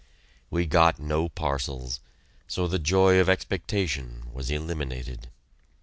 We got no parcels; so the joy of expectation was eliminated.